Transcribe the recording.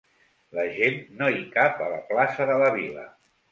La gent no hi cap a plaça de la vila.